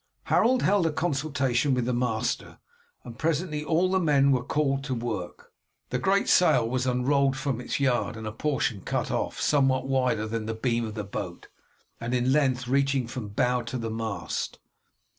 Harold held a consultation with the master, and presently all the men were called to work. The great sail was unrolled from its yard and a portion cut off, somewhat wider than the beam of the boat, and in length reaching from the bow to the mast.